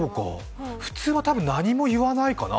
普通は多分何も言わないかな。